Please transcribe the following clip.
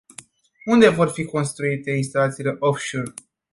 Unde vor fi construite instalațiile off-shore?